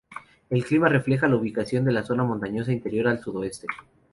El clima refleja la ubicación de la zona montañosa interior del sudoeste.